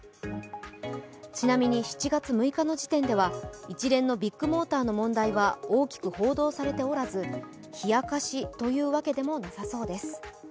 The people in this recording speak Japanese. ちなみに７月６日の時点では一連のビッグモーターの問題は多く報道されておらず冷やかしというわけでもなさそうです。